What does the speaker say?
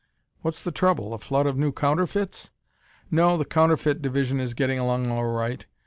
"What's the trouble, a flood of new counterfeits?" "No, the counterfeit division is getting along all right.